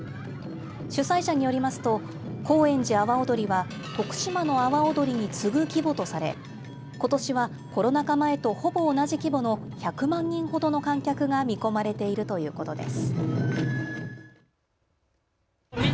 主催者によりますと高円寺阿波おどりは徳島の阿波おどりに次ぐ規模とされことしはコロナ禍前とほぼ同じ規模の１００万人ほどの観客が見込まれているということです。